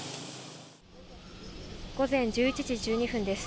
午前１１時１２分です。